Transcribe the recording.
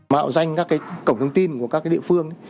mạo danh các cái cổng thông tin của các địa phương